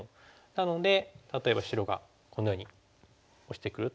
なので例えば白がこのようにオシてくると。